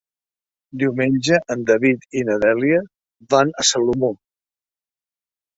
Diumenge en David i na Dèlia van a Salomó.